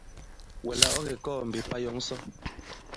Wɛ̀ là ɔ̌ kè kɔɔ̄ mbe, pà yɔ̌ŋ sɔ?